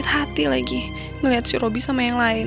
lima tahun lagi itulahleepu questo